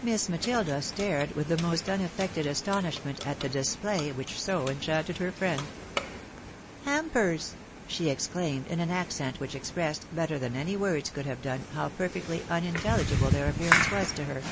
Miss Matilda stared with the most unaffected astonishment at the display which so enchanted her friend. " Hampers !" she exclaimed, in an accent which expressed, better than any words could have done, how perfectly unintelligible their appearance was to her.